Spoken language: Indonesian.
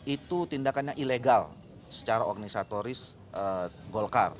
itu tindakannya ilegal secara orgnisatoris golkar